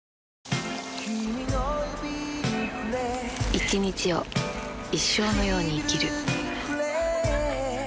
一日を一生のように生きる